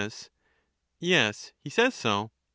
Yes, he says so.